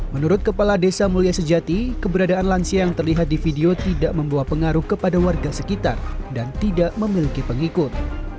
menurut kepala desa mulia sejati keberadaan lansia yang terlihat di video tidak membawa pengaruh kepada warga sekitar dan tidak memiliki pengikut